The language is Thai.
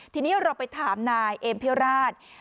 ทีนี้เราไปถามนายเอมพิวราช